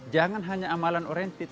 jangan hanya amalan orientir